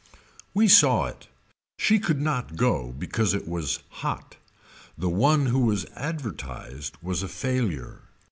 We saw it. She could not go because it was hot. The one who was advertised was a failure.